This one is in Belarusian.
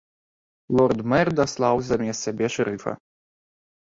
Лорд-мэр даслаў замест сябе шэрыфа.